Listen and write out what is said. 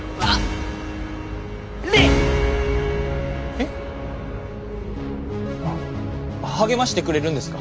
えっ励ましてくれるんですか。